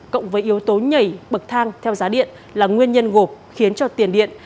cộng với yếu tố nhảy bậc thang theo giá điện là nguyên nhân gộp khiến cho tiền điện